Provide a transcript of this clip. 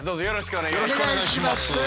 よろしくお願いします。